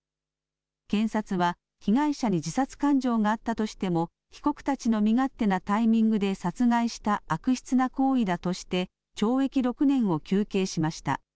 検察は、被害者に自殺感情があったとしても、被告たちの身勝手なタイミングで殺害した悪質な行為だとして、懲役６年を求刑しました。